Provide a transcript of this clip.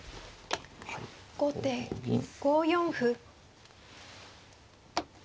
後手５四歩。